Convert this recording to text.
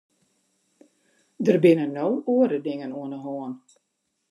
Der binne no oare dingen oan de hân.